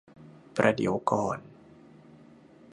ประเดี๋ยวก่อน